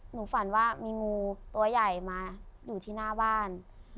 ฝันว่ามีงูตัวใหญ่มาอยู่ที่หน้าบ้าน